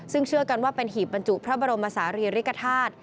ซึ่งเชื่อกันว่าเป็นหีบบรรจุพระบรมศาลีริกฐาตุ